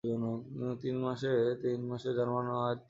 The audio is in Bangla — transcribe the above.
তিনি তিন মাসে জার্মান ও আয়ত্ত করেছিলেন।